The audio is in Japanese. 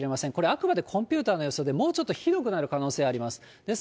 これ、あくまでコンピューターの予想で、もうちょっとひどくなる可能性があります。